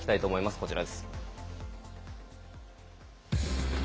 こちらです。